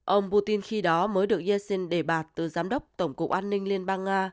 ông putin khi đó mới được yesin đề bạt từ giám đốc tổng cục an ninh liên bang nga